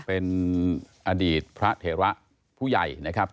เป็นอดีตพระเถระผู้ใหญ่นะครับ